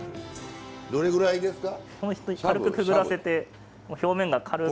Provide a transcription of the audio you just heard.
どれぐらいですか？